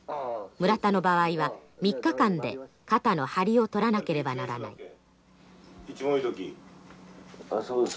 村田の場合は３日間で肩の張りを取らなければならない。